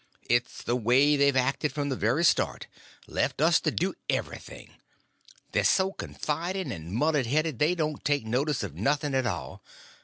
It's the way they've acted from the very start—left us to do everything. They're so confiding and mullet headed they don't take notice of nothing at all.